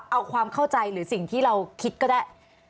เอาความเข้าใจหรือสิ่งที่เราคิดก็ได้